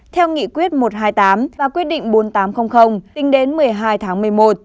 theo nghị quyết một trăm hai mươi tám và quyết định bốn nghìn tám trăm linh tính đến một mươi hai tháng một mươi một